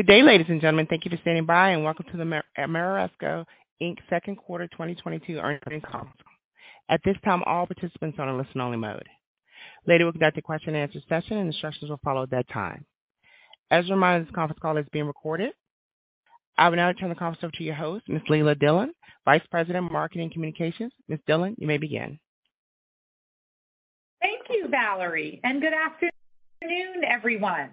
Good day, ladies and gentlemen. Thank you for standing by and welcome to the Ameresco Inc.'s Second Quarter 2022 Earnings Conference Call. At this time, all participants are on a listen-only mode. Later, we'll conduct a question and answer session and instructions will follow at that time. As a reminder, this conference call is being recorded. I will now turn the conference over to your host, Ms. Leila Dillon, Vice President of Marketing Communications. Ms. Dillon, you may begin. Thank you, Valerie, and good afternoon, everyone.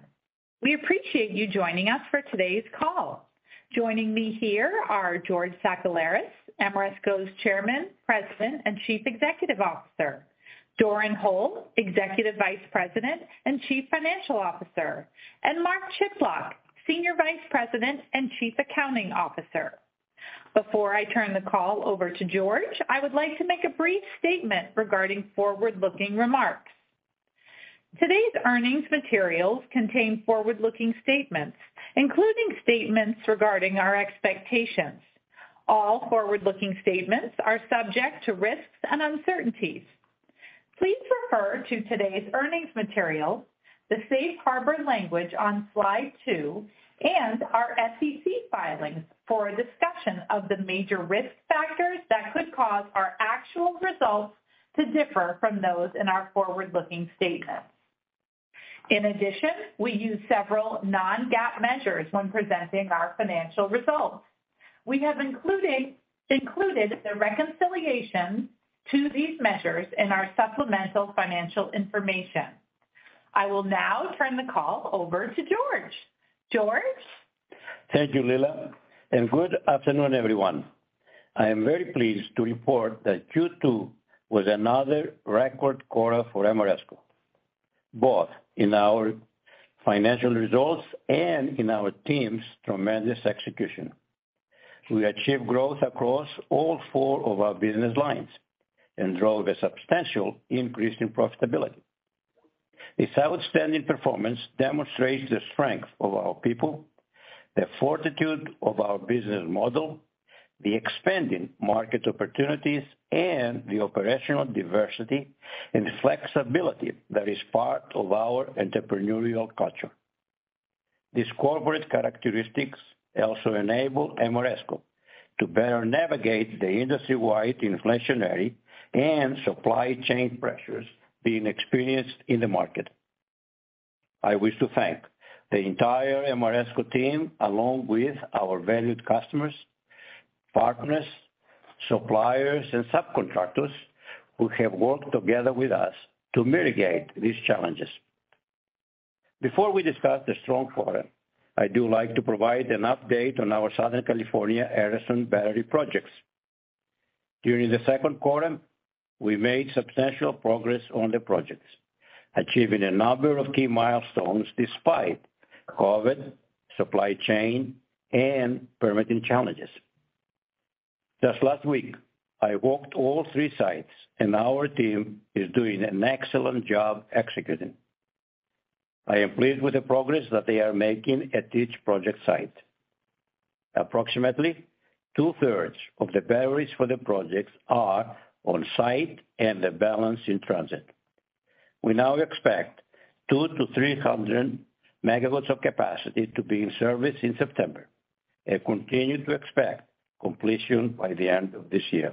We appreciate you joining us for today's call. Joining me here are George Sakellaris, Ameresco's Chairman, President, and Chief Executive Officer. Doran Hole, Executive Vice President and Chief Financial Officer, and Mark Chiplock, Senior Vice President and Chief Accounting Officer. Before I turn the call over to George, I would like to make a brief statement regarding forward-looking remarks. Today's earnings materials contain forward-looking statements, including statements regarding our expectations. All forward-looking statements are subject to risks and uncertainties. Please refer to today's earnings materials, the safe harbor language on slide two, and our SEC filings for a discussion of the major risk factors that could cause our actual results to differ from those in our forward-looking statements. In addition, we use several non-GAAP measures when presenting our financial results. We have included a reconciliation to these measures in our supplemental financial information. I will now turn the call over to George. George? Thank you, Leila, and good afternoon, everyone. I am very pleased to report that Q2 was another record quarter for Ameresco, both in our financial results and in our team's tremendous execution. We achieved growth across all four of our business lines and drove a substantial increase in profitability. This outstanding performance demonstrates the strength of our people, the fortitude of our business model, the expanding market opportunities, and the operational diversity and flexibility that is part of our entrepreneurial culture. These corporate characteristics also enable Ameresco to better navigate the industry-wide inflationary and supply chain pressures being experienced in the market. I wish to thank the entire Ameresco team, along with our valued customers, partners, suppliers, and subcontractors who have worked together with us to mitigate these challenges. Before we discuss the strong quarter, I do like to provide an update on our Southern California Edison battery projects. During the second quarter, we made substantial progress on the projects, achieving a number of key milestones despite COVID, supply chain, and permitting challenges. Just last week, I walked all three sites and our team is doing an excellent job executing. I am pleased with the progress that they are making at each project site. Approximately two-thirds of the batteries for the projects are on-site and the balance in transit. We now expect 200-300 MW of capacity to be in service in September and continue to expect completion by the end of this year.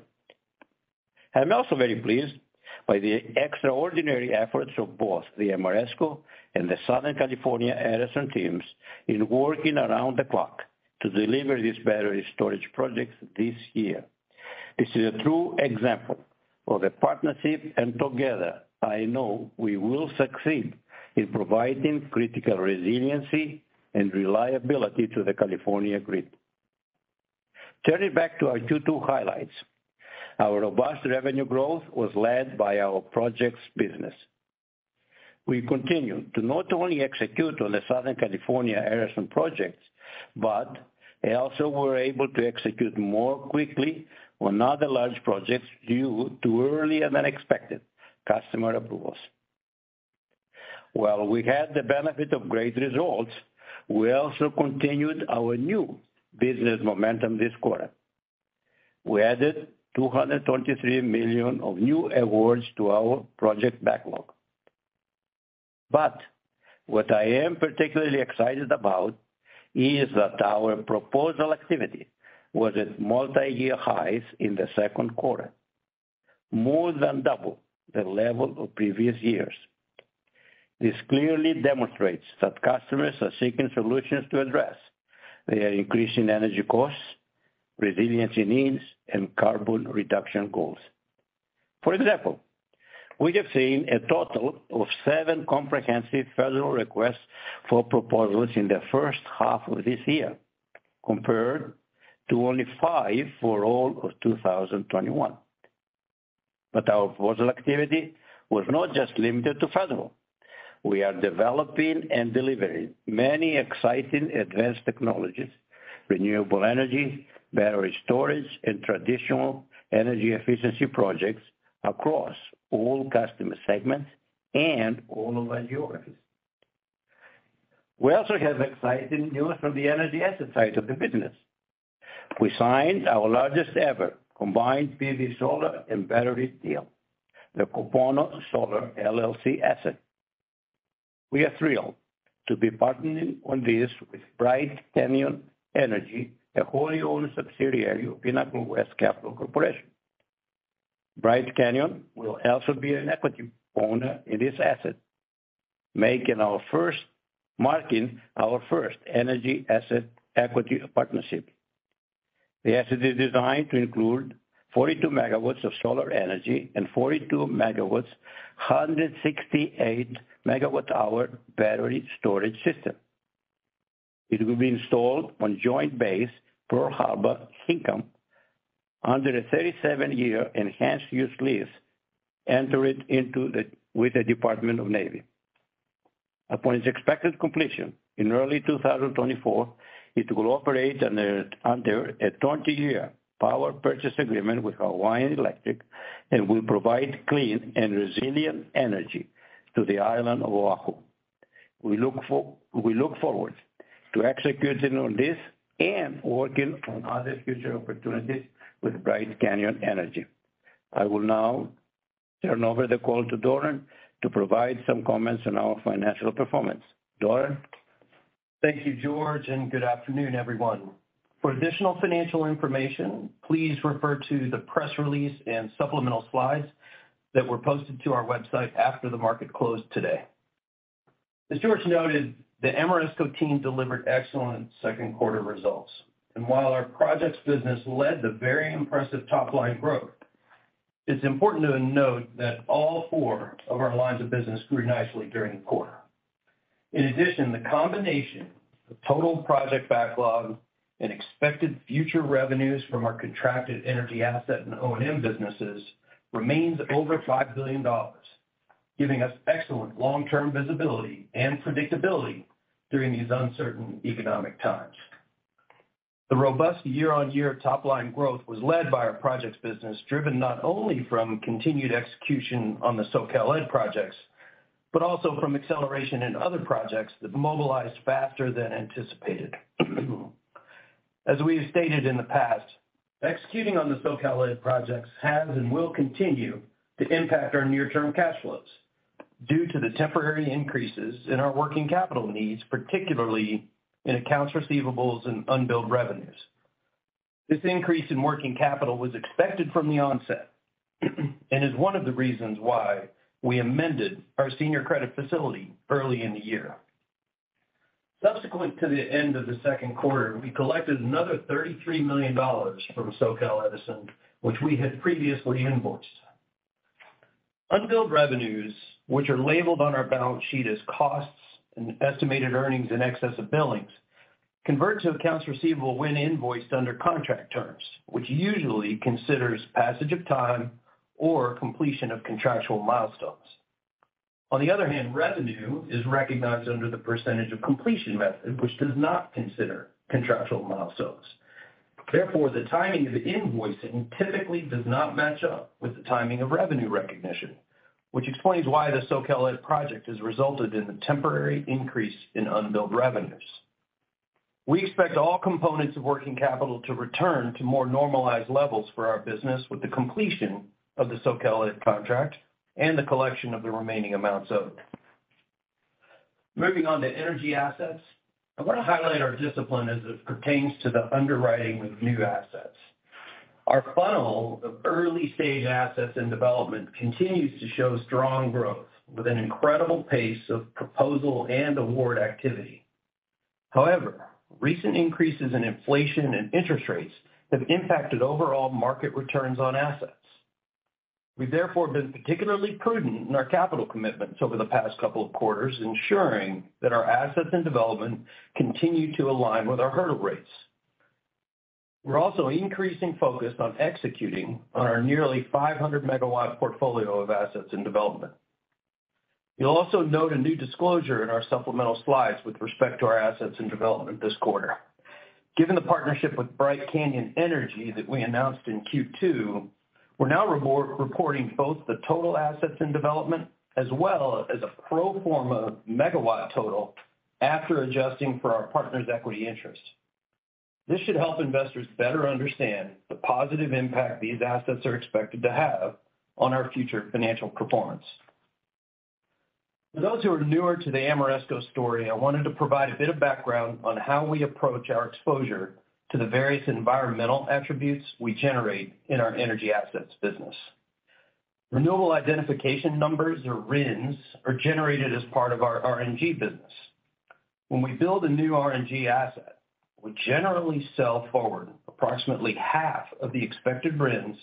I'm also very pleased by the extraordinary efforts of both the Ameresco and the Southern California Edison teams in working around the clock to deliver these battery storage projects this year. This is a true example of a partnership and together I know we will succeed in providing critical resiliency and reliability to the California grid. Turning back to our Q2 highlights. Our robust revenue growth was led by our projects business. We continued to not only execute on the Southern California Edison projects, but also were able to execute more quickly on other large projects due to earlier than expected customer approvals. While we had the benefit of great results, we also continued our new business momentum this quarter. We added $223 million of new awards to our project backlog. What I am particularly excited about is that our proposal activity was at multi-year highs in the second quarter, more than double the level of previous years. This clearly demonstrates that customers are seeking solutions to address their increasing energy costs, resiliency needs, and carbon reduction goals. For example, we have seen a total of seven comprehensive federal requests for proposals in the first half of this year, compared to only five for all of 2021. Our proposal activity was not just limited to federal. We are developing and delivering many exciting advanced technologies, renewable energy, battery storage, and traditional energy efficiency projects across all customer segments and all of our geographies. We also have exciting news from the energy asset side of the business. We signed our largest ever combined PV solar and battery deal, the Kapono Solar, LLC asset. We are thrilled to be partnering on this with Bright Canyon Energy, a wholly-owned subsidiary of Pinnacle West Capital Corporation. Bright Canyon will also be an equity owner in this asset, marking our first energy asset equity partnership. The asset is designed to include 42 MW of solar energy and 42 MW/168 MWh battery storage system. It will be installed on Joint Base Pearl Harbor-Hickam under a 37-year enhanced use lease with the Department of the Navy. Upon its expected completion in early 2024, it will operate under a 20-year power purchase agreement with Hawaiian Electric and will provide clean and resilient energy to the island of Oahu. We look forward to executing on this and working on other future opportunities with Bright Canyon Energy. I will now turn over the call to Doran to provide some comments on our financial performance. Doran? Thank you, George, and good afternoon, everyone. For additional financial information, please refer to the press release and supplemental slides that were posted to our website after the market closed today. As George noted, the Ameresco team delivered excellent second quarter results. While our projects business led to very impressive top-line growth, it's important to note that all four of our lines of business grew nicely during the quarter. In addition, the combination of total project backlog and expected future revenues from our contracted energy asset and O&M businesses remains over $5 billion, giving us excellent long-term visibility and predictability during these uncertain economic times. The robust year-on-year top-line growth was led by our projects business, driven not only from continued execution on the SCE projects, but also from acceleration in other projects that mobilized faster than anticipated. As we have stated in the past, executing on the SoCal Edge projects has and will continue to impact our near-term cash flows due to the temporary increases in our working capital needs, particularly in accounts receivable and unbilled revenues. This increase in working capital was expected from the onset and is one of the reasons why we amended our senior credit facility early in the year. Subsequent to the end of the second quarter, we collected another $33 million from SoCal Edison, which we had previously invoiced. Unbilled revenues, which are labeled on our balance sheet as costs and estimated earnings in excess of billings, convert to accounts receivable when invoiced under contract terms, which usually considers passage of time or completion of contractual milestones. On the other hand, revenue is recognized under the percentage of completion method, which does not consider contractual milestones. Therefore, the timing of invoicing typically does not match up with the timing of revenue recognition, which explains why the SoCal Edison project has resulted in a temporary increase in unbilled revenues. We expect all components of working capital to return to more normalized levels for our business with the completion of the SoCal Edison contract and the collection of the remaining amounts owed. Moving on to energy assets, I want to highlight our discipline as it pertains to the underwriting of new assets. Our funnel of early-stage assets and development continues to show strong growth with an incredible pace of proposal and award activity. However, recent increases in inflation and interest rates have impacted overall market returns on assets. We've therefore been particularly prudent in our capital commitments over the past couple of quarters, ensuring that our assets and development continue to align with our hurdle rates. We're also increasing focus on executing on our nearly 500-MW portfolio of assets in development. You'll also note a new disclosure in our supplemental slides with respect to our assets in development this quarter. Given the partnership with Bright Canyon Energy that we announced in Q2, we're now reporting both the total assets in development as well as a pro-forma MW total after adjusting for our partner's equity interest. This should help investors better understand the positive impact these assets are expected to have on our future financial performance. For those who are newer to the Ameresco story, I wanted to provide a bit of background on how we approach our exposure to the various environmental attributes we generate in our energy assets business. Renewable identification numbers, or RINs, are generated as part of our RNG business. When we build a new RNG asset, we generally sell forward approximately half of the expected RINs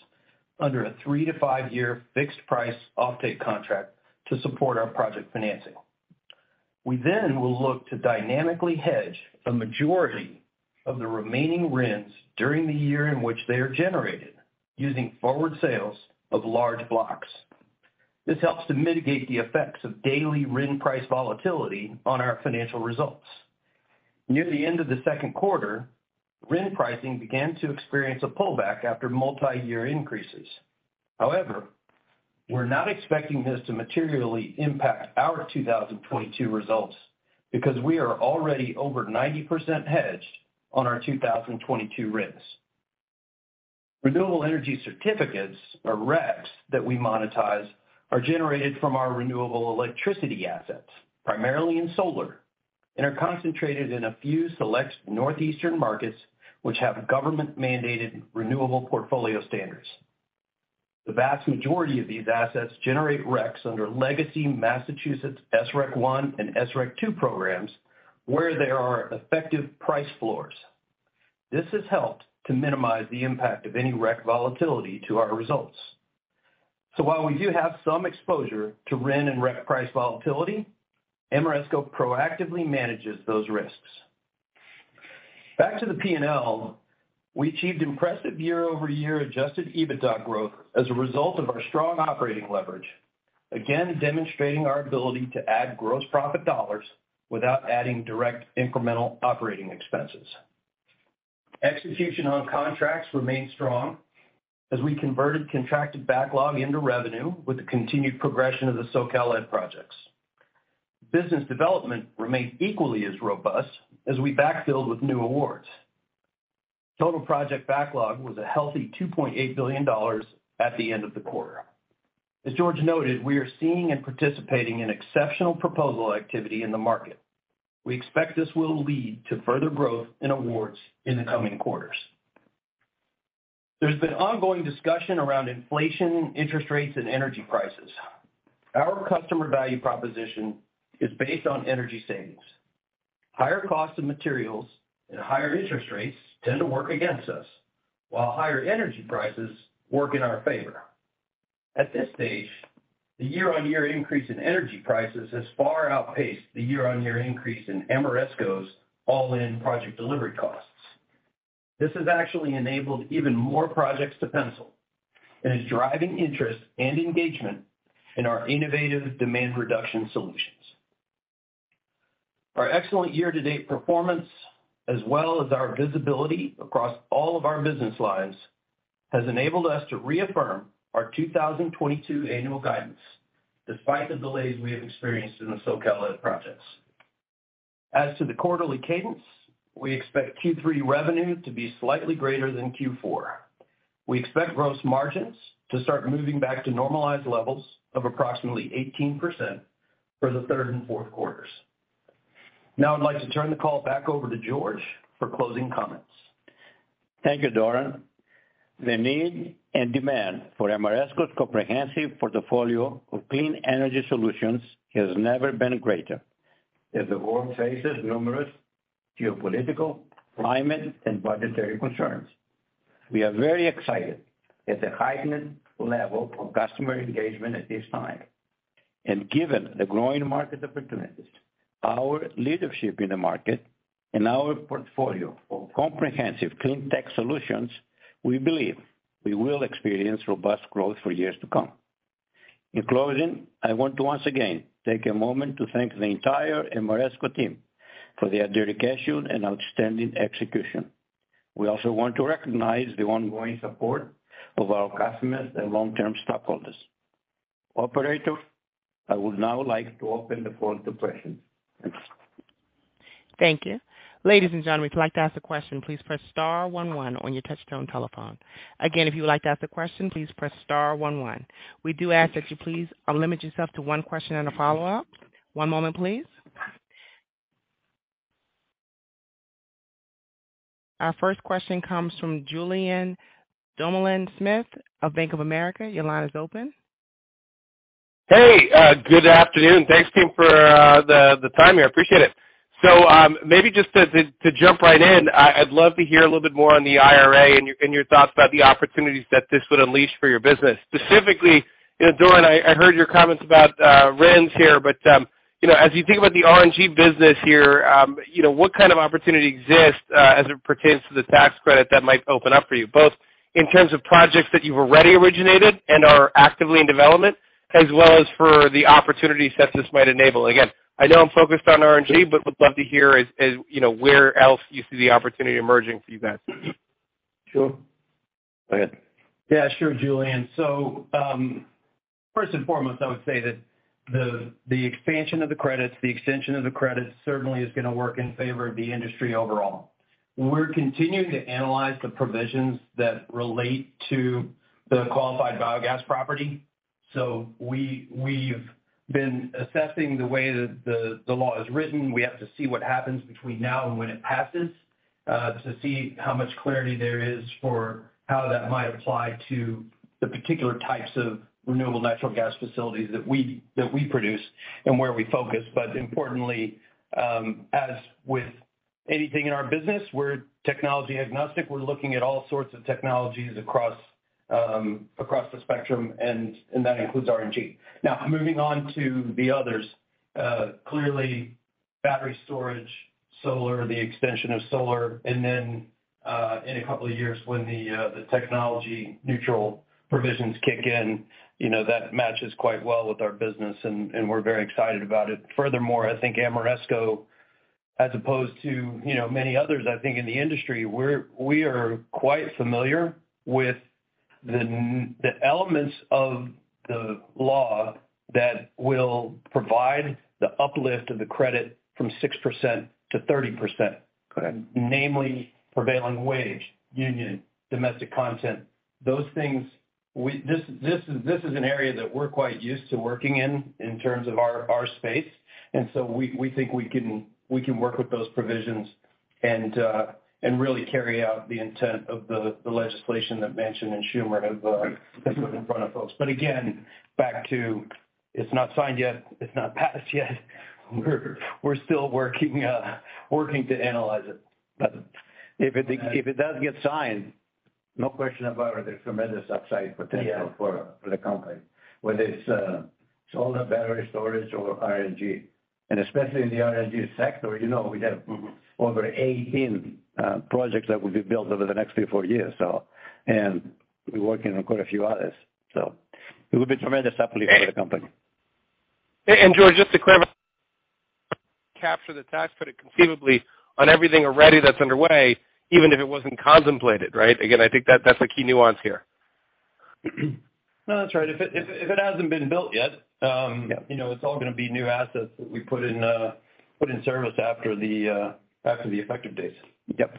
under a 3-5 year fixed price offtake contract to support our project financing. We then will look to dynamically hedge the majority of the remaining RINs during the year in which they are generated using forward sales of large blocks. This helps to mitigate the effects of daily RIN price volatility on our financial results. Near the end of the second quarter, RIN pricing began to experience a pullback after multiyear increases. However, we're not expecting this to materially impact our 2022 results because we are already over 90% hedged on our 2022 risks. Renewable energy certificates or RECs that we monetize are generated from our renewable electricity assets, primarily in solar, and are concentrated in a few select northeastern markets which have government-mandated renewable portfolio standards. The vast majority of these assets generate RECs under legacy Massachusetts SREC one and SREC two programs where there are effective price floors. This has helped to minimize the impact of any REC volatility to our results. While we do have some exposure to RIN and REC price volatility, Ameresco proactively manages those risks. Back to the P&L, we achieved impressive year-over-year adjusted EBITDA growth as a result of our strong operating leverage, again, demonstrating our ability to add gross profit dollars without adding direct incremental operating expenses. Execution on contracts remained strong as we converted contracted backlog into revenue with the continued progression of the SCE projects. Business development remained equally as robust as we backfilled with new awards. Total project backlog was a healthy $2.8 billion at the end of the quarter. As George noted, we are seeing and participating in exceptional proposal activity in the market. We expect this will lead to further growth in awards in the coming quarters. There's been ongoing discussion around inflation, interest rates, and energy prices. Our customer value proposition is based on energy savings. Higher costs of materials and higher interest rates tend to work against us, while higher energy prices work in our favor. At this stage, the year-on-year increase in energy prices has far outpaced the year-on-year increase in Ameresco's all-in project delivery costs. This has actually enabled even more projects to pencil and is driving interest and engagement in our innovative demand reduction solutions. Our excellent year-to-date performance, as well as our visibility across all of our business lines, has enabled us to reaffirm our 2022 annual guidance despite the delays we have experienced in the SCE projects. As to the quarterly cadence, we expect Q3 revenue to be slightly greater than Q4. We expect gross margins to start moving back to normalized levels of approximately 18% for the third and fourth quarters. Now I'd like to turn the call back over to George for closing comments. Thank you, Doran. The need and demand for Ameresco's comprehensive portfolio of clean energy solutions has never been greater as the world faces numerous geopolitical, climate, and budgetary concerns. We are very excited at the heightened level of customer engagement at this time. Given the growing market opportunities, our leadership in the market, and our portfolio of comprehensive clean tech solutions, we believe we will experience robust growth for years to come. In closing, I want to once again take a moment to thank the entire Ameresco team for their dedication and outstanding execution. We also want to recognize the ongoing support of our customers and long-term stockholders. Operator, I would now like to open the floor to questions. Thanks. Thank you. Ladies and gentlemen, if you'd like to ask a question, please press star one one on your touchtone telephone. Again, if you would like to ask a question, please press star one one. We do ask that you please limit yourself to one question and a follow-up. One moment, please. Our first question comes from Julien Dumoulin-Smith of Bank of America. Your line is open. Hey, good afternoon. Thanks, team, for the time here. I appreciate it. Maybe just to jump right in. I'd love to hear a little bit more on the IRA and your thoughts about the opportunities that this would unleash for your business. Specifically, you know, Doran, I heard your comments about RINs here, but you know, as you think about the RNG business here, you know, what kind of opportunity exists, as it pertains to the tax credit that might open up for you, both in terms of projects that you've already originated and are actively in development, as well as for the opportunities that this might enable? Again, I know I'm focused on RNG, but would love to hear, as you know, where else you see the opportunity emerging for you guys. Sure. Go ahead. Yeah, sure, Julien. First and foremost, I would say that the expansion of the credits, the extension of the credits certainly is gonna work in favor of the industry overall. We're continuing to analyze the provisions that relate to the qualified biogas property. We've been assessing the way that the law is written. We have to see what happens between now and when it passes to see how much clarity there is for how that might apply to the particular types of renewable natural gas facilities that we produce and where we focus. Importantly, as with anything in our business, we're technology agnostic. We're looking at all sorts of technologies across the spectrum and that includes RNG. Now moving on to the others, clearly battery storage, solar, the extension of solar, and then, in a couple of years when the technology neutral provisions kick in, you know, that matches quite well with our business and we're very excited about it. Furthermore, I think Ameresco. As opposed to, you know, many others, I think, in the industry, we are quite familiar with the elements of the law that will provide the uplift of the credit from 6%-30%. Correct. Namely prevailing wage, union, domestic content, those things. This is an area that we're quite used to working in in terms of our space. We think we can work with those provisions and really carry out the intent of the legislation that Manchin and Schumer have put in front of us. Again, back to it's not signed yet, it's not passed yet. We're still working to analyze it. If it does get signed, no question about it, there's tremendous upside potential. Yeah For the company, whether it's solar, battery storage or RNG. Especially in the RNG sector, you know, we have over 18 projects that will be built over the next three or four years. We're working on quite a few others. It would be tremendous uplift for the company. George, just to clarify capture the tax credit conceivably on everything already that's underway, even if it wasn't contemplated, right? Again, I think that's a key nuance here. No, that's right. If it hasn't been built yet. Yeah You know, it's all gonna be new assets that we put in service after the effective dates. Yep.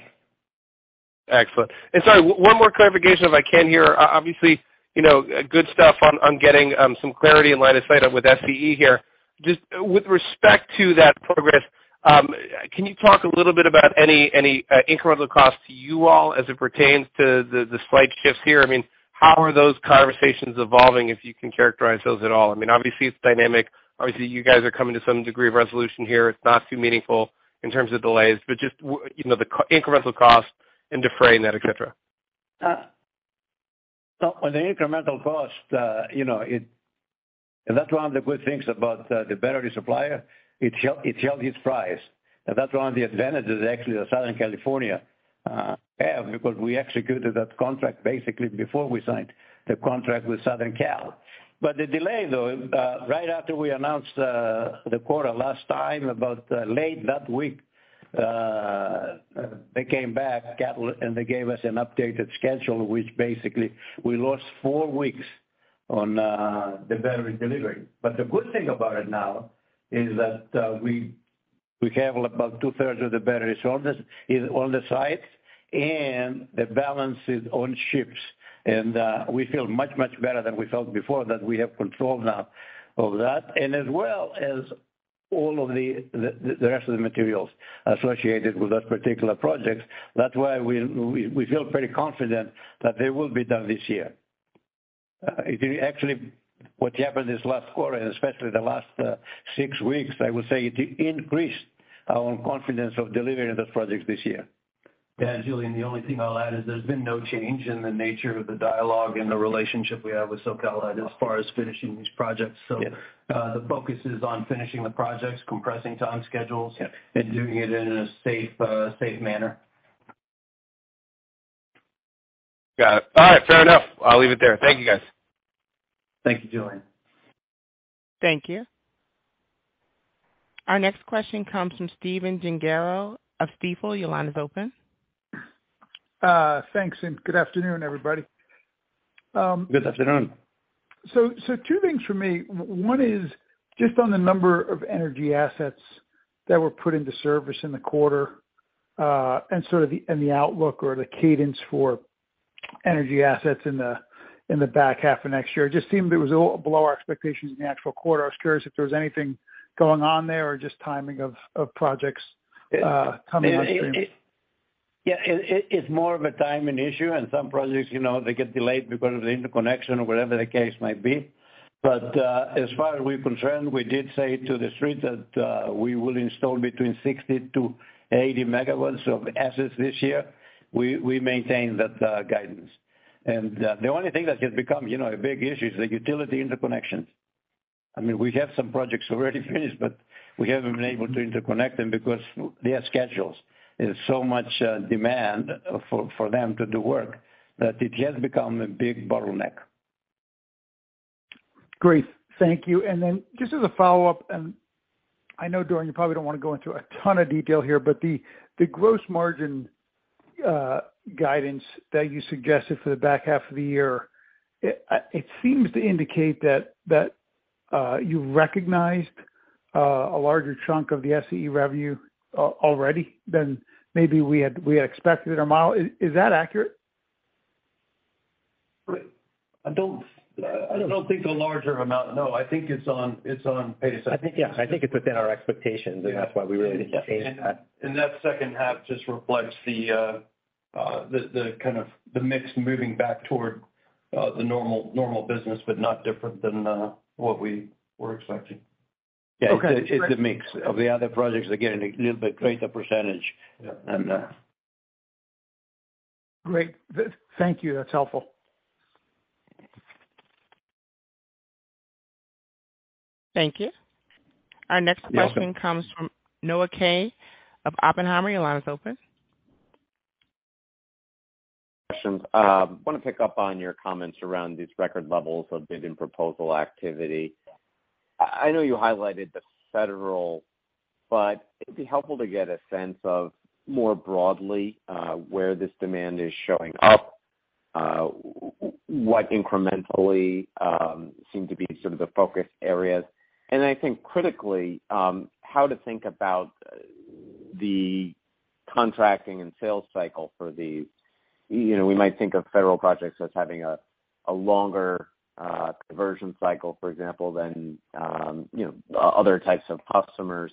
Excellent. Sorry, one more clarification if I can here. Obviously, you know, good stuff on getting some clarity and line of sight with SCE here. Just with respect to that progress, can you talk a little bit about any incremental cost to you all as it pertains to the slight shifts here? I mean, how are those conversations evolving, if you can characterize those at all? I mean, obviously it's dynamic. Obviously, you guys are coming to some degree of resolution here. It's not too meaningful in terms of delays, but just you know, the incremental cost and defraying that, et cetera. On the incremental cost, you know, that's one of the good things about the battery supplier. It held its price. That's one of the advantages actually that Southern California have because we executed that contract basically before we signed the contract with Southern Cal. The delay, though, right after we announced the quarter last time, about late that week, they came back, and they gave us an updated schedule, which basically we lost four weeks on the battery delivery. The good thing about it now is that we have about two-thirds of the batteries on the site and the balance is on ships. We feel much better than we felt before that we have control now of that and as well as all of the rest of the materials associated with that particular project. That's why we feel pretty confident that they will be done this year. It actually, what happened this last quarter and especially the last six weeks, I would say it increased our own confidence of delivering the project this year. Yeah. Julien, the only thing I'll add is there's been no change in the nature of the dialogue and the relationship we have with Southern Cal as far as finishing these projects. Yeah. The focus is on finishing the projects, compressing time schedules- Yeah doing it in a safe manner. Got it. All right, fair enough. I'll leave it there. Thank you, guys. Thank you, Julien. Thank you. Our next question comes from Stephen Gengaro of Stifel. Your line is open. Thanks, good afternoon, everybody. Good afternoon. Two things for me. One is just on the number of energy assets that were put into service in the quarter, and sort of the outlook or the cadence for energy assets in the back half of next year. It just seemed it was a little below our expectations in the actual quarter. I was curious if there was anything going on there or just timing of projects coming in. Yeah, it's more of a timing issue and some projects, you know, they get delayed because of the interconnection or whatever the case might be. As far as we're concerned, we did say to the street that we will install between 60-80 MW of assets this year. We maintain that guidance. The only thing that has become, you know, a big issue is the utility interconnections. I mean, we have some projects already finished, but we haven't been able to interconnect them because they have schedules. There's so much demand for them to do work that it has become a big bottleneck. Great. Thank you. Then just as a follow-up, and I know, Doran, you probably don't want to go into a ton of detail here, but the gross margin guidance that you suggested for the back half of the year, it seems to indicate that you recognized a larger chunk of the SCE revenue already than maybe we had expected or modeled. Is that accurate? I don't think a larger amount, no. I think it's on pace. I think it's within our expectations. Yeah That's why we really changed that. That second half just reflects the kind of the mix moving back toward the normal business, but not different than what we were expecting. Okay. Yeah. It's the mix of the other projects are getting a little bit greater percentage. Yeah. And, uh... Great. Thank you. That's helpful. Thank you. You're welcome. Our next question comes from Noah Kaye of Oppenheimer. Your line is open. Questions. Wanna pick up on your comments around these record levels of bidding proposal activity. I know you highlighted the federal, but it'd be helpful to get a sense of more broadly where this demand is showing up what incrementally seem to be sort of the focus areas. I think critically how to think about the contracting and sales cycle for these. You know, we might think of federal projects as having a longer conversion cycle, for example, than you know other types of customers.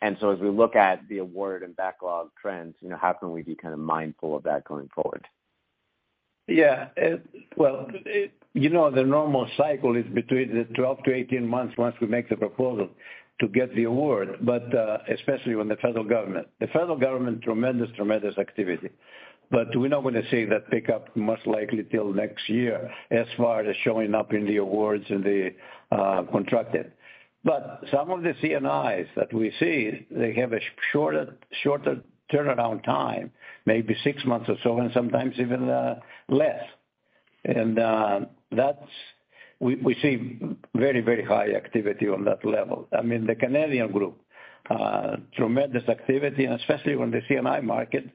As we look at the award and backlog trends, you know, how can we be kind of mindful of that going forward? Yeah. Well, you know, the normal cycle is between 12-18 months once we make the proposal to get the award, but especially when the federal government. The federal government, tremendous activity. We're not gonna see that pick up most likely till next year as far as showing up in the awards and the contracted. Some of the C&Is that we see, they have a shorter turnaround time, maybe six months or so, and sometimes even less. We see very high activity on that level. I mean, the Canadian group, tremendous activity, and especially on the C&I market.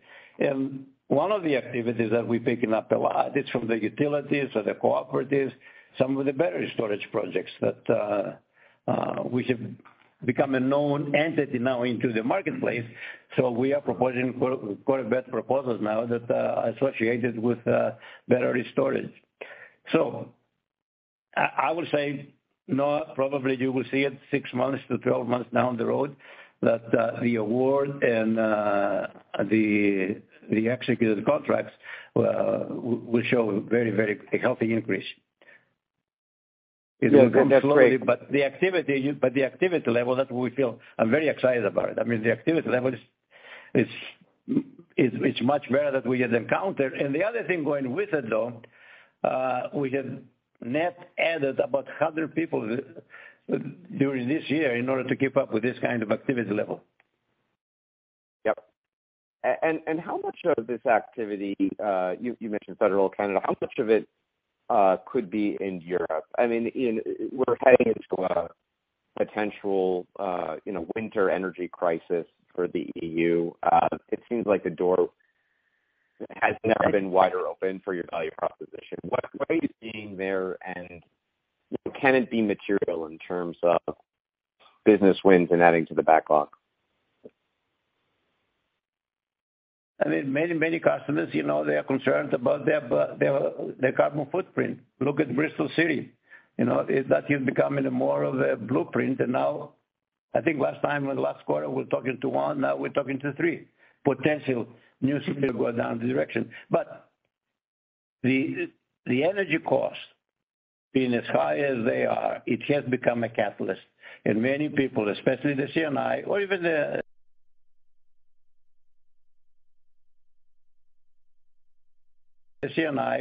One of the activities that we're picking up a lot is from the utilities or the cooperatives, some of the battery storage projects that we have become a known entity now into the marketplace, so we are proposing quite a bit proposals now that associated with battery storage. I would say, no, probably you will see it 6-12 months down the road that the award and the executed contracts will show very healthy increase. Yeah, great. It will come slowly, but the activity level that we feel. I'm very excited about it. I mean, the activity level is much better than we had encountered. The other thing going with it, though, we have net added about 100 people during this year in order to keep up with this kind of activity level. Yep. How much of this activity you mentioned federal, Canada, how much of it could be in Europe? I mean, we're heading into a potential winter energy crisis for the EU. It seems like the door has never been wider open for your value proposition. What are you seeing there, and you know, can it be material in terms of business wins and adding to the backlog? I mean, many, many customers, you know, they are concerned about their carbon footprint. Look at Bristol City. You know, it's becoming more of a blueprint. Now I think last quarter, we're talking to one, now we're talking to three potential new cities going down that direction. The energy costs being as high as they are, it has become a catalyst. Many people, especially the C&I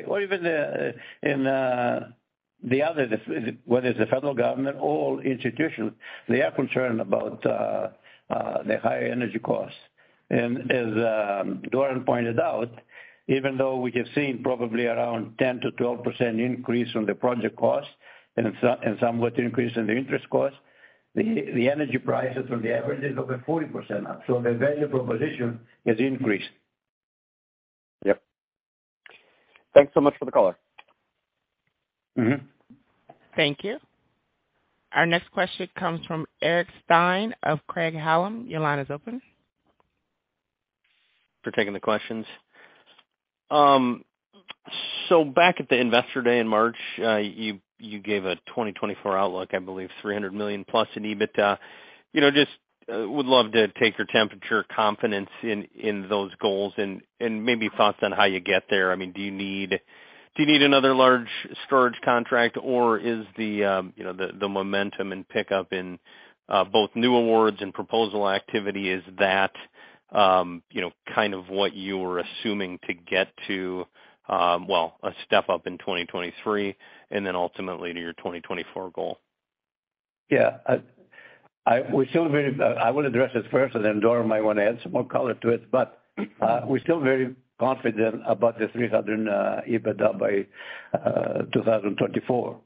or even the other, whether it's the federal government or institutions, they are concerned about the high energy costs. As Doran pointed out, even though we have seen probably around 10%-12% increase on the project costs and somewhat increase in the interest costs, the energy prices on the average is over 40% up, so the value proposition has increased. Yep. Thanks so much for the color. Mm-hmm. Thank you. Our next question comes from Eric Stine of Craig-Hallum. Your line is open. for taking the questions. So back at the Investor Day in March, you gave a 2024 outlook, I believe $300 million+ in EBITDA. You know, just would love to take your temperature on confidence in those goals and maybe thoughts on how you get there. I mean, do you need another large storage contract, or is the momentum and pickup in both new awards and proposal activity kind of what you were assuming to get to a step up in 2023 and then ultimately to your 2024 goal? Yeah. I will address this first, and then Doran might want to add some more color to it. We're still very confident about the $300 million EBITDA by 2024.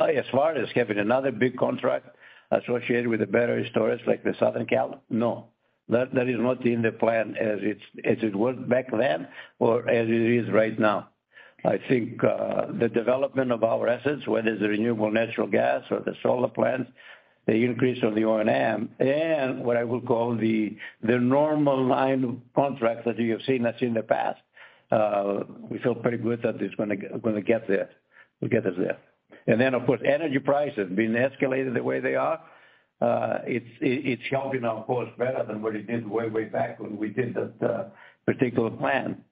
As far as getting another big contract associated with the battery storage like the Southern Cal, no. That is not in the plan as it was back then or as it is right now. I think the development of our assets, whether it's the renewable natural gas or the solar plants, the increase of the O&M, and what I would call the normal line of contracts that you have seen us in the past, we feel pretty good that it's gonna get there, will get us there. Of course, energy prices being escalated the way they are, it's helping our cause better than what it did way back when we did that particular plan.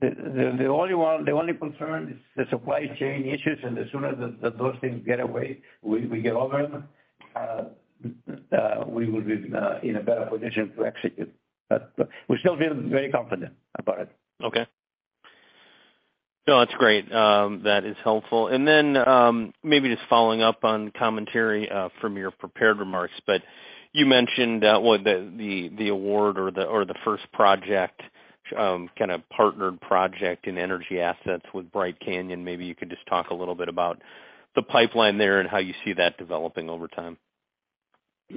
The only concern is the supply chain issues, and as soon as those things go away, we get over them, we will be in a better position to execute. We're still feel very confident about it. Okay. No, that's great. That is helpful. Maybe just following up on commentary from your prepared remarks, but you mentioned what the award or the first project, kind of partnered project in energy assets with Bright Canyon. Maybe you could just talk a little bit about the pipeline there and how you see that developing over time. You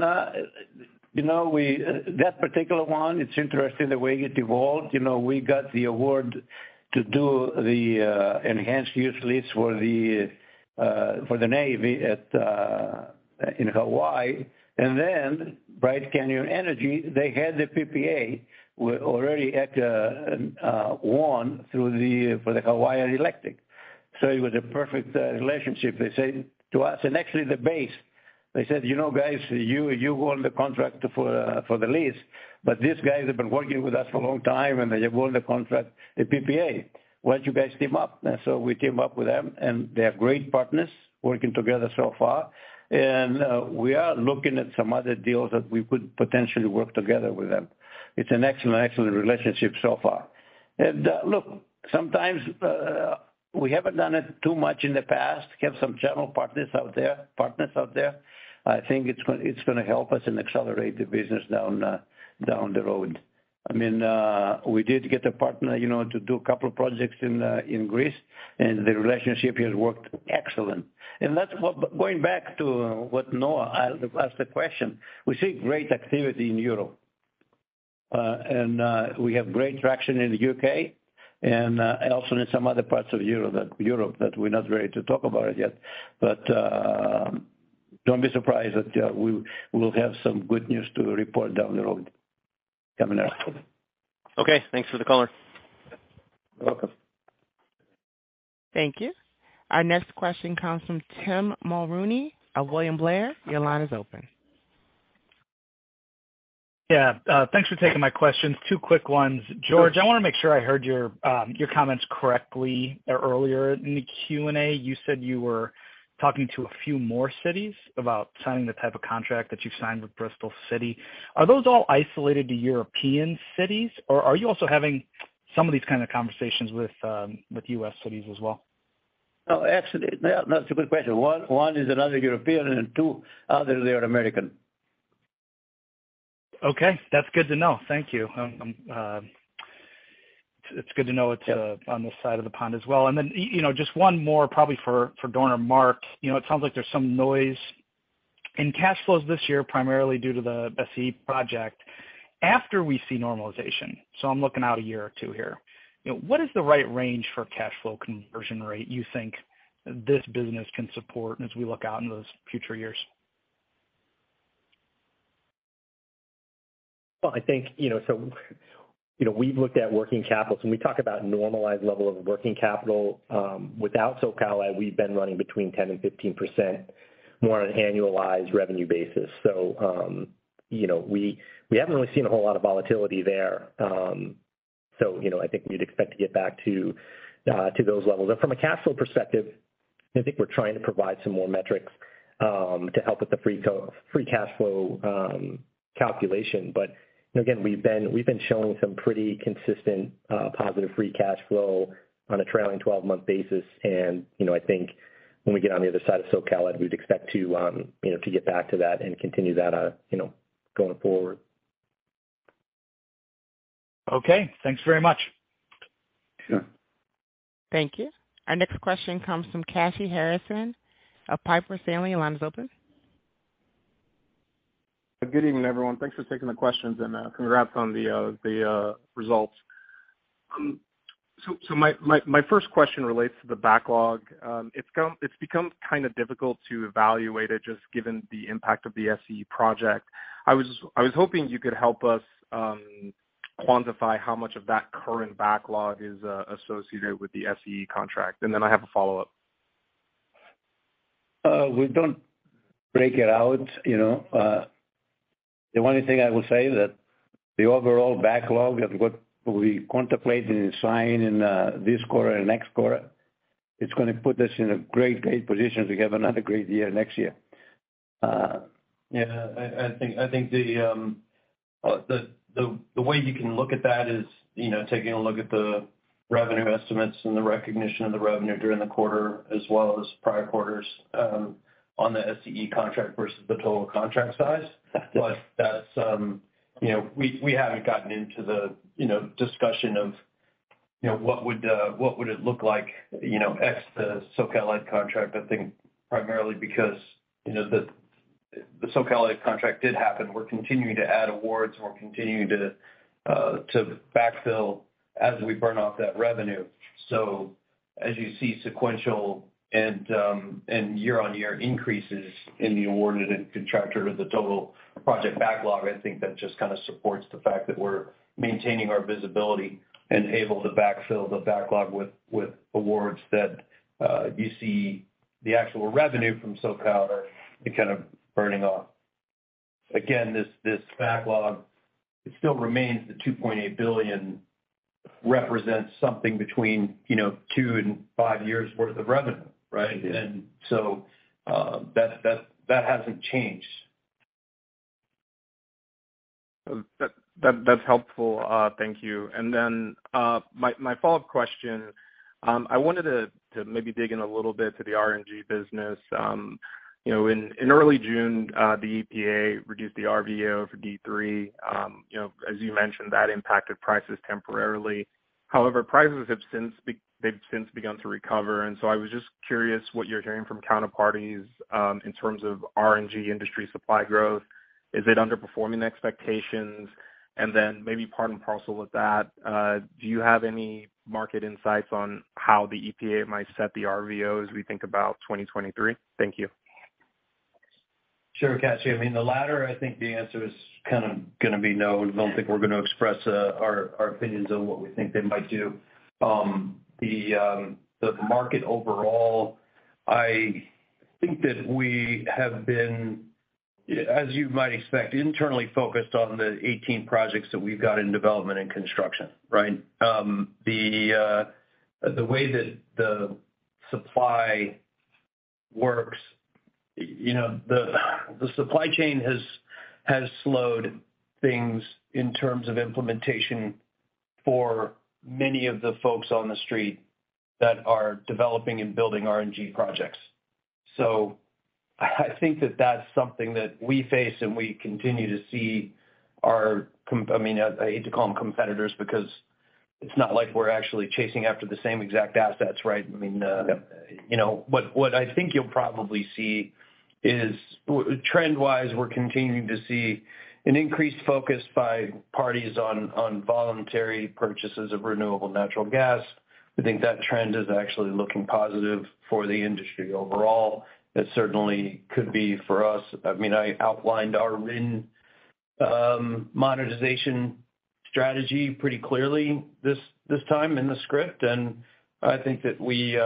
know, that particular one, it's interesting the way it evolved. You know, we got the award to do the enhanced use lease for the Navy in Hawaii. Bright Canyon Energy, they had the PPA with already, and won through the, for the Hawaiian Electric. It was a perfect relationship. They said to us, and actually the base, they said, "You know, guys, you won the contract for the lease, but these guys have been working with us for a long time, and they won the contract, the PPA. Why don't you guys team up?" We team up with them, and they are great partners working together so far. We are looking at some other deals that we could potentially work together with them. It's an excellent relationship so far. Look, sometimes we haven't done it too much in the past, we have some general partners out there. I think it's gonna help us and accelerate the business down the road. I mean, we did get a partner, you know, to do a couple projects in Greece, and the relationship has worked excellent. That's what going back to what Noah asked the question, we see great activity in Europe, and we have great traction in the U.K. and also in some other parts of Europe that we're not ready to talk about yet. Don't be surprised that we will have some good news to report down the road coming up. Okay, thanks for the color. You're welcome. Thank you. Our next question comes from Tim Mulrooney of William Blair. Your line is open. Yeah. Thanks for taking my questions. Two quick ones. George, I wanna make sure I heard your comments correctly earlier in the Q&A. You said you were talking to a few more cities about signing the type of contract that you've signed with Bristol City. Are those all isolated to European cities, or are you also having some of these kind of conversations with U.S. cities as well? No, actually, no, that's a good question. One is another European and two others, they are American. Okay. That's good to know. Thank you. It's good to know it's on this side of the pond as well. You know, just one more probably for Doran or Mark. You know, it sounds like there's some noise in cash flows this year, primarily due to the SCE project. After we see normalization, so I'm looking out a year or two here, you know, what is the right range for cash flow conversion rate you think this business can support as we look out into those future years? Well, I think, you know, we've looked at working capital. When we talk about normalized level of working capital, without SCE, we've been running between 10% and 15% more on an annualized revenue basis. You know, we haven't really seen a whole lot of volatility there. You know, I think we'd expect to get back to those levels. From a cash flow perspective, I think we're trying to provide some more metrics to help with the free cash flow calculation. Again, we've been showing some pretty consistent positive free cash flow on a trailing twelve-month basis. You know, I think when we get on the other side of Southern California Edison, we'd expect to, you know, to get back to that and continue that, you know, going forward. Okay. Thanks very much. Sure. Thank you. Our next question comes from Kashy Harrison of Piper Sandler. Your line is open. Good evening, everyone. Thanks for taking the questions and congrats on the results. My first question relates to the backlog. It's become kind of difficult to evaluate it just given the impact of the SCE project. I was hoping you could help us quantify how much of that current backlog is associated with the SCE contract, and then I have a follow-up. We don't break it out. You know, the only thing I will say that the overall backlog of what we contemplate and sign in this quarter and next quarter, it's gonna put us in a great position to have another great year next year. Yeah. I think the way you can look at that is, you know, taking a look at the revenue estimates and the recognition of the revenue during the quarter as well as prior quarters, on the SCE contract versus the total contract size. Yeah. That's, you know, we haven't gotten into the discussion of what would it look like, you know, ex the SCE contract, I think primarily because the SCE contract did happen. We're continuing to add awards, and we're continuing to backfill as we burn off that revenue. You see sequential and year-on-year increases in the awarded and contracted or the total project backlog, I think that just kind of supports the fact that we're maintaining our visibility and able to backfill the backlog with awards that you see the actual revenue from SCE are kind of burning off. Again, this backlog still remains the $2.8 billion represents something between two and five years worth of revenue, right? Yeah. That hasn't changed. That's helpful. Thank you. My follow-up question. I wanted to maybe dig in a little bit to the RNG business. You know, in early June, the EPA reduced the RVO for D3. You know, as you mentioned, that impacted prices temporarily. However, prices have since they've since begun to recover. I was just curious what you're hearing from counterparties in terms of RNG industry supply growth. Is it underperforming expectations? Maybe part and parcel with that, do you have any market insights on how the EPA might set the RVO as we think about 2023? Thank you. Sure, Kat, I mean, the latter, I think the answer is kind of gonna be no. I don't think we're gonna express our opinions on what we think they might do. The market overall, I think that we have been, as you might expect, internally focused on the 18 projects that we've got in development and construction, right? The way that the supply works, you know, the supply chain has slowed things in terms of implementation for many of the folks on the street that are developing and building RNG projects. I think that that's something that we face, and we continue to see. I mean, I hate to call them competitors because it's not like we're actually chasing after the same exact assets, right? I mean. Yep. You know, what I think you'll probably see is trend-wise, we're continuing to see an increased focus by parties on voluntary purchases of renewable natural gas. I think that trend is actually looking positive for the industry overall. It certainly could be for us. I mean, I outlined our RIN monetization strategy pretty clearly this time in the script. I think that we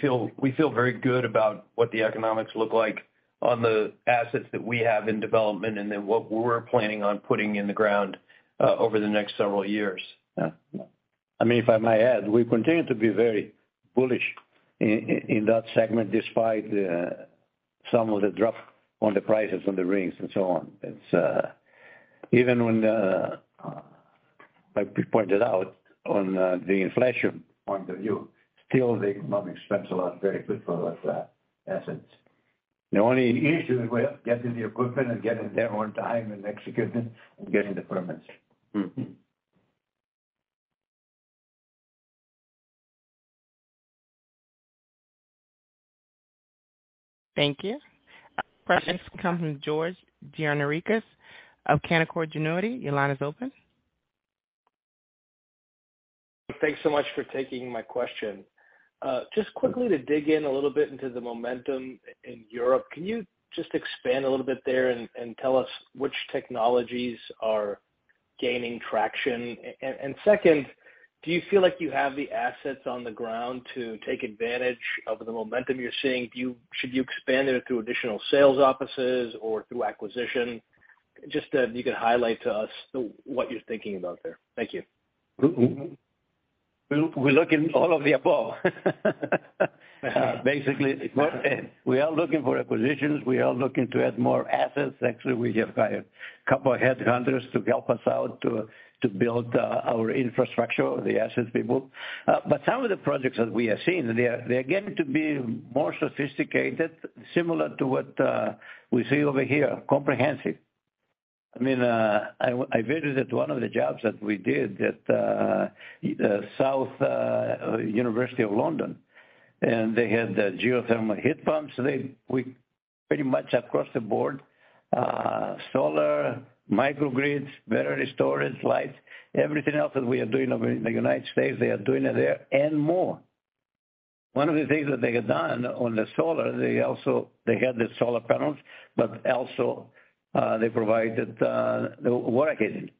feel very good about what the economics look like on the assets that we have in development and then what we're planning on putting in the ground over the next several years. Yeah. I mean, if I may add, we continue to be very bullish in that segment despite some of the drop on the prices on the RINs and so on. It's even when I pointed out on the inflation point of view, still the economics spells a lot very good for those assets. The only issue is with getting the equipment and getting there on time and executing and getting the permits. Mm-hmm. Thank you. Our next question comes from George Gianarikas of Canaccord Genuity. Your line is open. Thanks so much for taking my question. Just quickly to dig in a little bit into the momentum in Europe, can you just expand a little bit there and tell us which technologies are gaining traction? Second, do you feel like you have the assets on the ground to take advantage of the momentum you're seeing? Should you expand it through additional sales offices or through acquisition? Just if you could highlight to us what you're thinking about there. Thank you. We're looking all of the above. Basically, we are looking for acquisitions, we are looking to add more assets. Actually, we have hired a couple of headhunters to help us out to build our infrastructure, the assets people. But some of the projects that we are seeing, they're getting to be more sophisticated, similar to what we see over here, comprehensive. I mean, I visited one of the jobs that we did at South University of London, and they had geothermal heat pumps. We pretty much across the board, solar, microgrids, battery storage, lights, everything else that we are doing over in the United States, they are doing it there and more. One of the things that they had done on the solar, they also had the solar panels, but also, they provided the water heating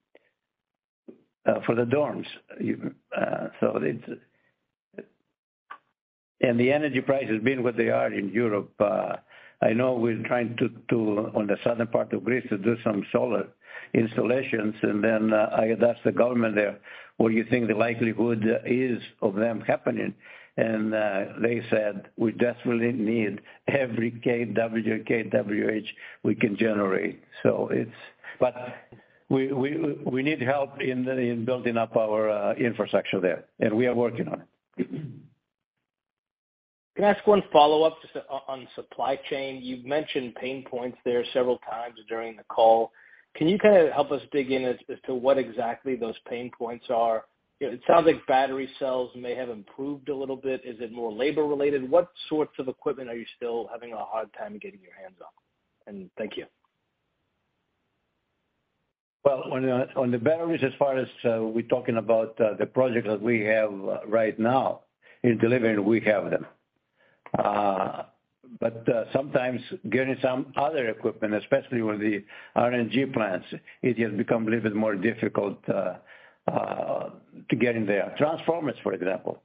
for the dorms. The energy prices being what they are in Europe, I know we're trying to on the southern part of Greece, to do some solar installations. I asked the government there, "What do you think the likelihood is of them happening?" They said, "We desperately need every kW or kWh we can generate." But we need help in building up our infrastructure there, and we are working on it. Can I ask one follow-up just on supply chain? You've mentioned pain points there several times during the call. Can you kind of help us dig in as to what exactly those pain points are? It sounds like battery cells may have improved a little bit. Is it more labor related? What sorts of equipment are you still having a hard time getting your hands on? And thank you. Well, on the batteries, as far as we're talking about the projects that we have right now in delivery, we have them. Sometimes getting some other equipment, especially with the RNG plants, it has become a little bit more difficult to get in there. Transformers, for example.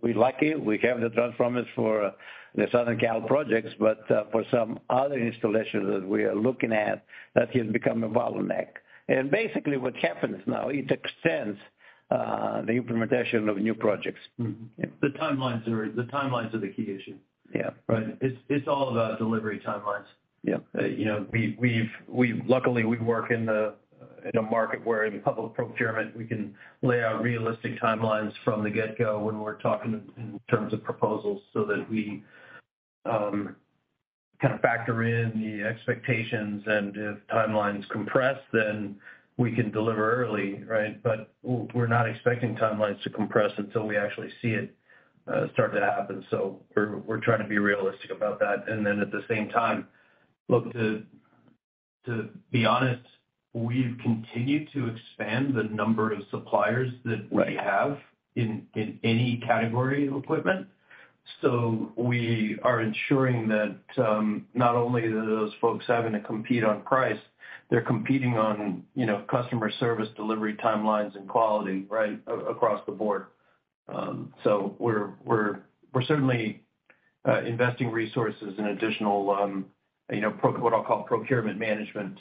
We're lucky we have the transformers for the Southern Cal projects, but for some other installations that we are looking at, that has become a bottleneck. Basically, what happens now, it extends the implementation of new projects. Mm-hmm. The timelines are the key issue. Yeah. Right? It's all about delivery timelines. Yeah. You know, luckily, we work in a market where in public procurement we can lay out realistic timelines from the get-go when we're talking in terms of proposals so that we kind of factor in the expectations and if timelines compress, then we can deliver early, right? But we're not expecting timelines to compress until we actually see it start to happen. So we're trying to be realistic about that. Then at the same time, look, to be honest, we've continued to expand the number of suppliers that we have in any category of equipment. So we are ensuring that not only are those folks having to compete on price, they're competing on, you know, customer service, delivery timelines, and quality, right, across the board. We're certainly investing resources in additional, you know, what I'll call procurement management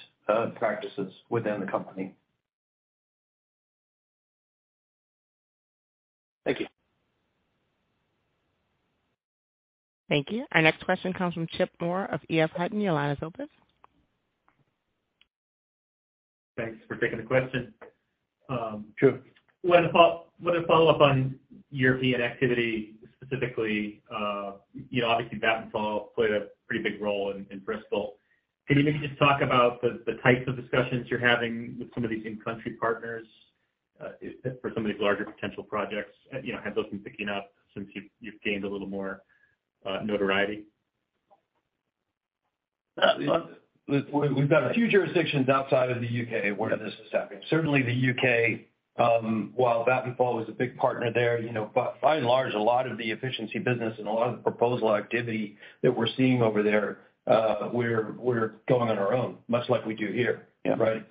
practices within the company. Thank you. Thank you. Our next question comes from Chip Moore of EF Hutton. Your line is open. Thanks for taking the question. Sure. Wanted to follow up on European activity specifically, you know, obviously, Vattenfall played a pretty big role in Bristol. Can you maybe just talk about the types of discussions you're having with some of these in-country partners for some of these larger potential projects? You know, have those been picking up since you've gained a little more notoriety? We've got a few jurisdictions outside of the U.K. where this is happening. Certainly the U.K., while Vattenfall was a big partner there, you know, by and large, a lot of the efficiency business and a lot of the proposal activity that we're seeing over there, we're going on our own, much like we do here. Yeah. Right?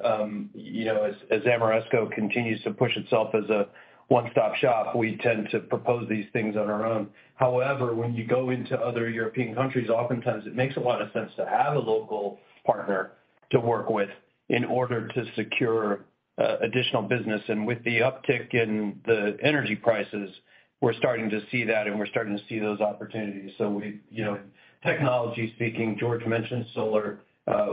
You know, as Ameresco continues to push itself as a one-stop shop, we tend to propose these things on our own. However, when you go into other European countries, oftentimes it makes a lot of sense to have a local partner to work with in order to secure additional business. With the uptick in the energy prices, we're starting to see that, and we're starting to see those opportunities. You know, technology speaking, George mentioned solar.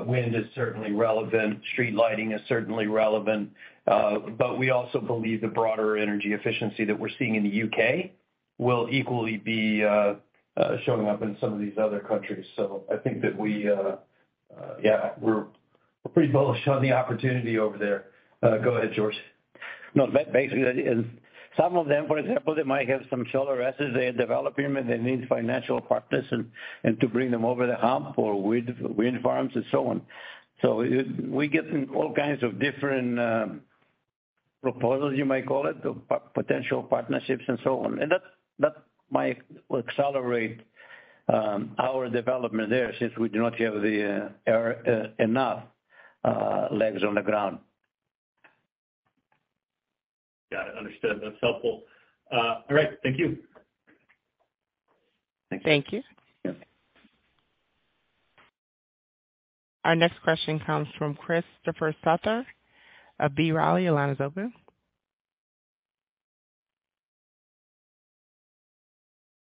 Wind is certainly relevant. Street lighting is certainly relevant. But we also believe the broader energy efficiency that we're seeing in the U.K. will equally be showing up in some of these other countries. I think that we, yeah, we're pretty bullish on the opportunity over there. Go ahead, George. No, that basically and some of them, for example, they might have some solar assets they are developing, and they need financial partners and to bring them over the hump or wind farms and so on. We get all kinds of different proposals you might call it, of potential partnerships and so on. That might accelerate our development there since we do not have enough legs on the ground. Got it. Understood. That's helpful. All right. Thank you. Thank you. Thank you. Yeah. Our next question comes from Chris Souther of B. Riley. Your line is open.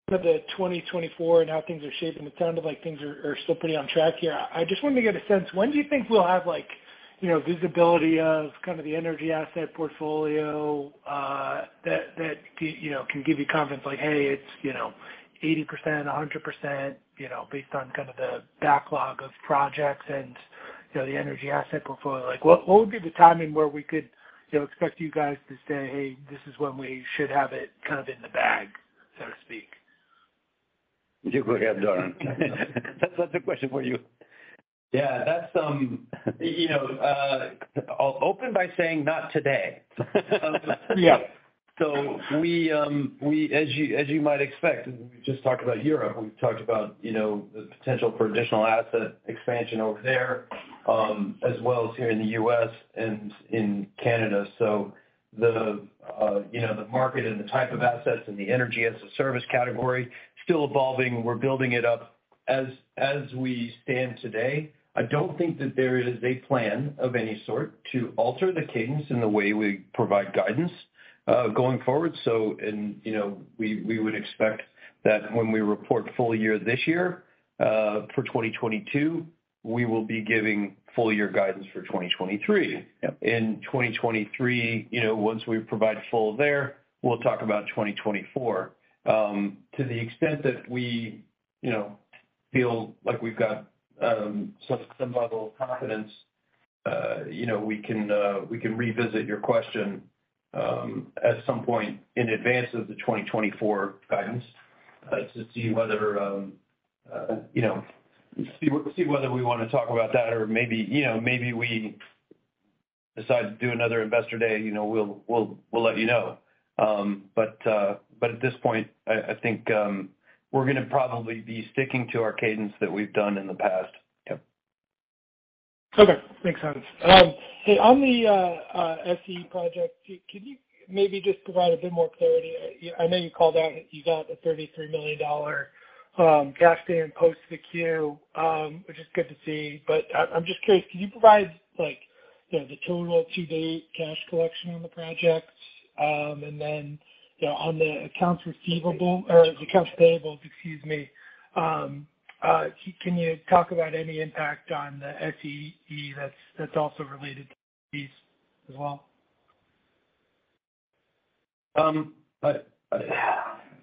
For the 2024 and how things are shaping, it sounded like things are still pretty on track here. I just wanted to get a sense, when do you think we'll have like, you know, visibility of kind of the energy asset portfolio, you know, can give you confidence like, hey, it's, you know, 80%, 100%, you know, based on kind of the backlog of projects and, you know, the energy asset portfolio. Like, what would be the timing where we could, you know, expect you guys to say, hey, this is when we should have it kind of in the bag, so to speak? You go ahead, Doran Hole. That's a question for you. Yeah, that's, you know, I'll open by saying not today. Yeah. As you might expect, we just talked about Europe, and we've talked about, you know, the potential for additional asset expansion over there, as well as here in the U.S. and in Canada. The market and the type of assets and the energy as a service category still evolving. We're building it up. As we stand today, I don't think that there is a plan of any sort to alter the cadence in the way we provide guidance going forward. We would expect that when we report full year this year, for 2022, we will be giving full year guidance for 2023. Yep. In 2023, you know, once we provide full year there, we'll talk about 2024. To the extent that we, you know, feel like we've got some level of confidence, you know, we can revisit your question at some point in advance of the 2024 guidance, to see whether you know, see whether we wanna talk about that or maybe, you know, maybe we decide to do another investor day, you know, we'll let you know. But at this point, I think we're gonna probably be sticking to our cadence that we've done in the past. Yep. Okay. Makes sense. Hey, on the SCE project, can you maybe just provide a bit more clarity? I know you called out you got a $33 million cash paid post the Q, which is good to see. I'm just curious, can you provide, like, you know, the total to-date cash collection on the project? And then, you know, on the accounts receivable or the accounts payable, excuse me, can you talk about any impact on the SCE that's also related to these as well?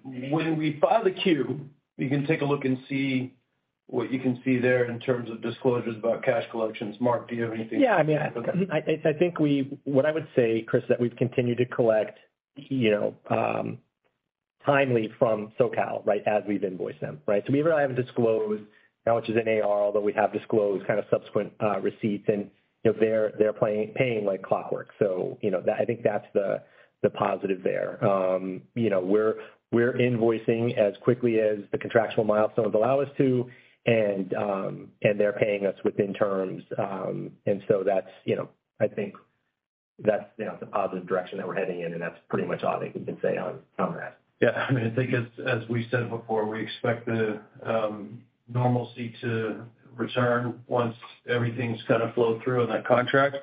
When we file the Q, you can take a look and see what you can see there in terms of disclosures about cash collections. Mark, do you have anything to add? Yeah. I mean, what I would say, Chris, is that we've continued to collect, you know, timely from SoCal, right, as we've invoiced them, right? We really haven't disclosed how much is in AR, although we have disclosed kind of subsequent receipts. You know, they're paying like clockwork. You know, that I think that's the positive there. You know, we're invoicing as quickly as the contractual milestones allow us to, and they're paying us within terms. That's, you know, I think that's, you know, the positive direction that we're heading in, and that's pretty much all I think we can say on that. Yeah. I mean, I think as we said before, we expect the normalcy to return once everything's kind of flowed through in that contract.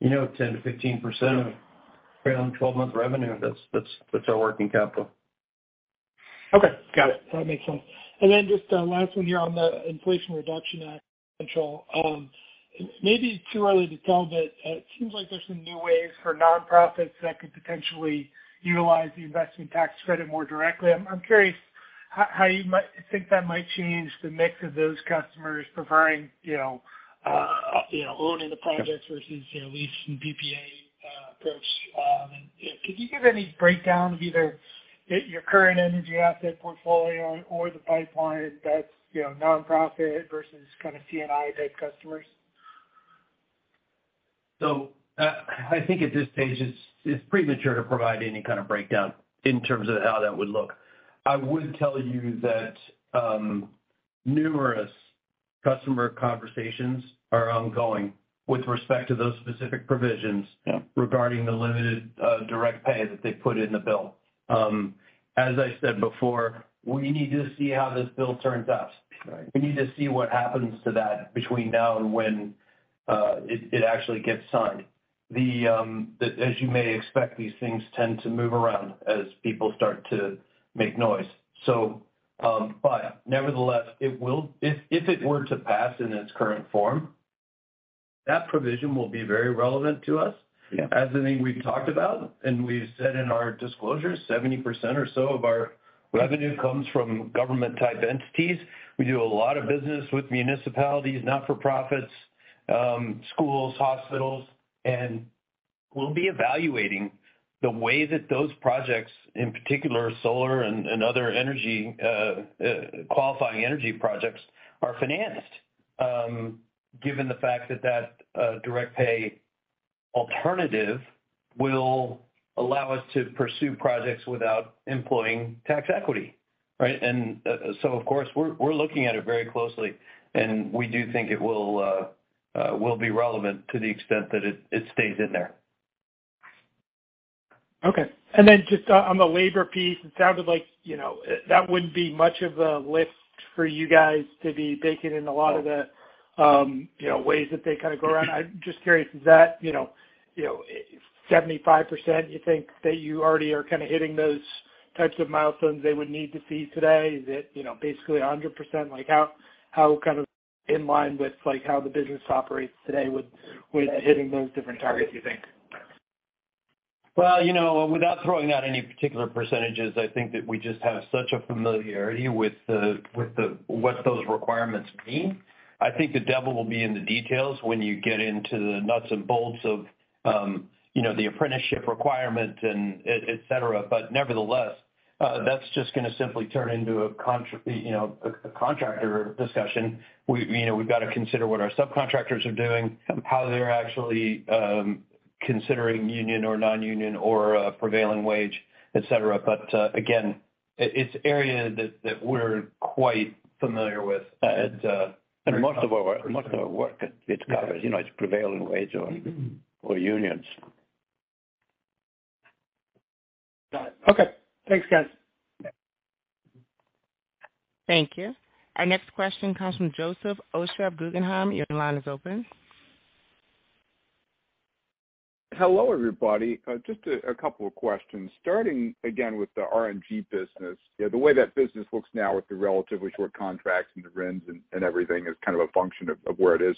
You know, 10%-15% of around 12-month revenue, that's our working capital. Okay. Got it. That makes sense. Then just a last one here on the Inflation Reduction Act, Doran Hole. It may be too early to tell, but it seems like there's some new ways for nonprofits that could potentially utilize the investment tax credit more directly. I'm curious how you might think that might change the mix of those customers preferring, you know, owning the projects versus, you know, leasing PPA approach. You know, can you give any breakdown of either your current energy asset portfolio or the pipeline that's, you know, nonprofit versus kind of C&I type customers? I think at this stage it's premature to provide any kind of breakdown in terms of how that would look. I would tell you that numerous customer conversations are ongoing with respect to those specific provisions. Yeah. Regarding the limited direct pay that they put in the bill. As I said before, we need to see how this bill turns out. Right. We need to see what happens to that between now and when it actually gets signed. As you may expect, these things tend to move around as people start to make noise. Nevertheless, if it were to pass in its current form, that provision will be very relevant to us. Yeah. As I think we've talked about and we've said in our disclosures, 70% or so of our revenue comes from government-type entities. We do a lot of business with municipalities, not-for-profits, schools, hospitals, and we'll be evaluating the way that those projects, in particular solar and other energy qualifying energy projects are financed, given the fact that direct pay alternative will allow us to pursue projects without employing tax equity, right? Of course, we're looking at it very closely, and we do think it will be relevant to the extent that it stays in there. Okay. Just on the labor piece, it sounded like, you know, that wouldn't be much of a lift for you guys to be baking in a lot of the, you know, ways that they kind of go around. I'm just curious, is that, you know, you know, 75% you think that you already are kind of hitting those types of milestones they would need to see today? Is it, you know, basically 100%? Like, how kind of in line with, like, how the business operates today with hitting those different targets, do you think? Well, you know, without throwing out any particular percentages, I think that we just have such a familiarity with what those requirements mean. I think the devil will be in the details when you get into the nuts and bolts of, you know, the apprenticeship requirement and et cetera. Nevertheless, that's just gonna simply turn into a you know, a contractor discussion. We, you know, we've got to consider what our subcontractors are doing. Mm-hmm. how they're actually considering union or non-union or prevailing wage, et cetera. Again, it's an area that we're quite familiar with. It's Most of our work it covers. You know, it's prevailing wage or unions. Got it. Okay. Thanks, guys. Thank you. Our next question comes from Joseph Osha, Guggenheim. Your line is open. Hello, everybody. Just a couple of questions. Starting again with the RNG business. You know, the way that business looks now with the relatively short contracts and the RINs and everything is kind of a function of where it is.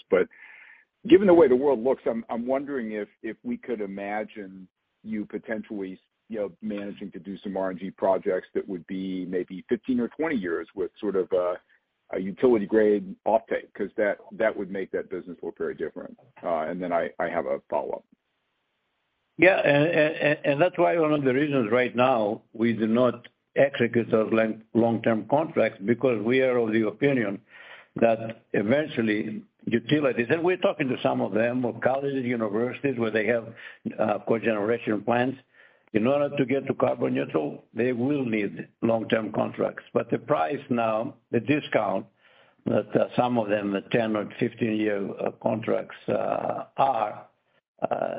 Given the way the world looks, I'm wondering if we could imagine you potentially, you know, managing to do some RNG projects that would be maybe 15-or 20-years with sort of a utility-grade offtake, 'cause that would make that business look very different. Then I have a follow-up. Yeah. That's why one of the reasons right now we do not execute those long-term contracts because we are of the opinion that eventually utilities, and we're talking to some of them, of colleges, universities, where they have cogeneration plants. In order to get to carbon neutral, they will need long-term contracts. The price now, the discount that some of them, the 10- or 15-year contracts,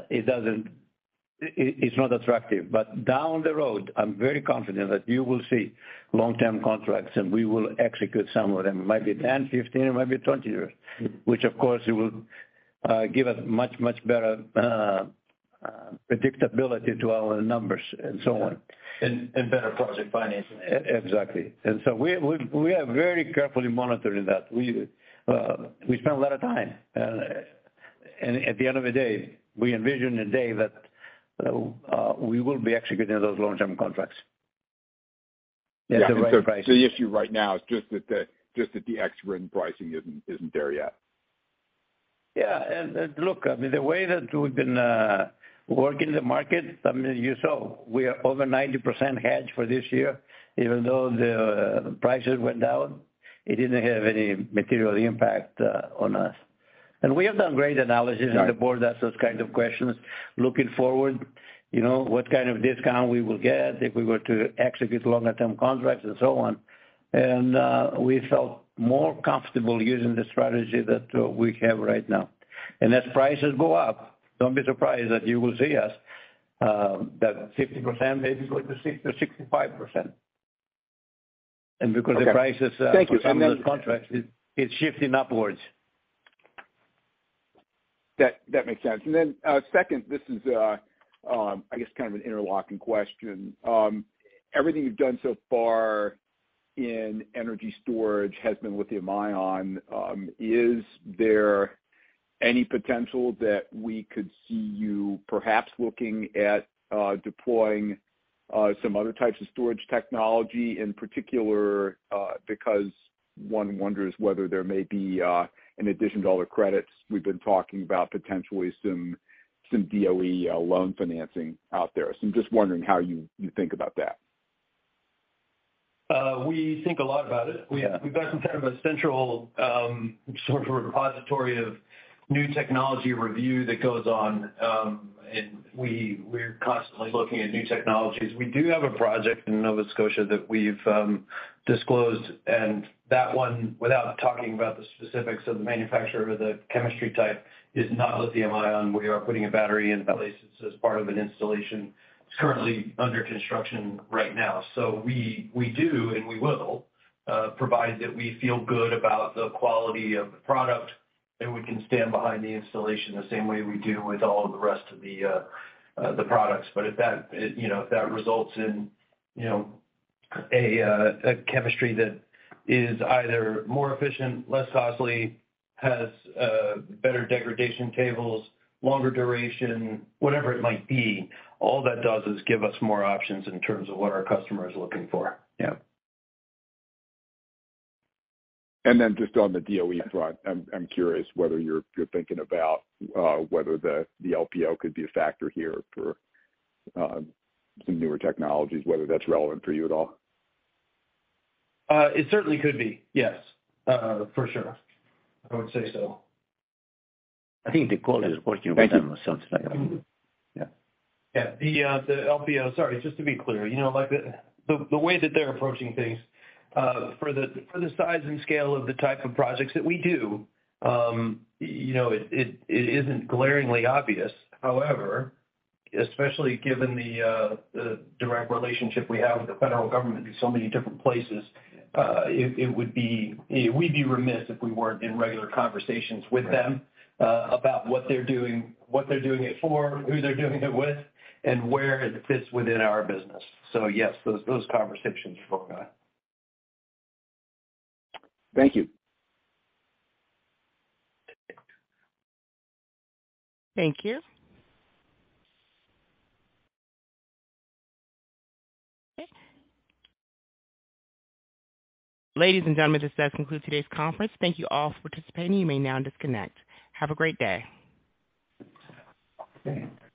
it's not attractive. Down the road, I'm very confident that you will see long-term contracts, and we will execute some of them. It might be 10, 15, it might be 20 years. Which of course it will give us much better predictability to our numbers and so on. Better project financing. Exactly. We are very carefully monitoring that. We spend a lot of time. At the end of the day, we envision a day that we will be executing those long-term contracts at the right price. The issue right now is just that the ex-RIN pricing isn't there yet. Yeah. Look, I mean, the way that we've been working the market, I mean, you saw we are over 90% hedged for this year. Even though the prices went down, it didn't have any material impact on us. We have done great analysis. Right. The board asks those kind of questions looking forward, you know, what kind of discount we will get if we were to execute longer-term contracts and so on. We felt more comfortable using the strategy that we have right now. As prices go up, don't be surprised that you will see us that 50% maybe going to 60 or 65%. Because the price is. Thank you. for some of those contracts is shifting upwards. That makes sense. Second, this is, I guess kind of an interlocking question. Everything you've done so far in energy storage has been lithium-ion. Is there any potential that we could see you perhaps looking at, deploying, some other types of storage technology in particular? Because one wonders whether there may be, in addition to all the credits we've been talking about, potentially some DOE loan financing out there. I'm just wondering how you think about that. We think a lot about it. Yeah. We've got some kind of a central sort of repository of new technology review that goes on, and we're constantly looking at new technologies. We do have a project in Nova Scotia that we've disclosed, and that one, without talking about the specifics of the manufacturer or the chemistry type, is not lithium-ion. We are putting a battery in place as part of an installation. It's currently under construction right now. We do, and we will, provide that we feel good about the quality of the product, and we can stand behind the installation the same way we do with all of the rest of the products. If that, you know, if that results in, you know, a chemistry that is either more efficient, less costly, has better degradation tables, longer duration, whatever it might be, all that does is give us more options in terms of what our customer is looking for. Yeah. Then just on the DOE front, I'm curious whether you're thinking about whether the LPO could be a factor here for some newer technologies, whether that's relevant for you at all. It certainly could be, yes. For sure. I would say so. I think the call is working with them or something like that. Yeah. The LPO. Sorry, just to be clear, you know, like the way that they're approaching things, for the size and scale of the type of projects that we do, you know, it isn't glaringly obvious. However, especially given the direct relationship we have with the federal government in so many different places, it would be. We'd be remiss if we weren't in regular conversations with them. Right. about what they're doing, what they're doing it for, who they're doing it with, and where it fits within our business. Yes, those conversations go on. Thank you. Okay. Thank you. Okay. Ladies and gentlemen, this does conclude today's conference. Thank you all for participating. You may now disconnect. Have a great day. Thanks.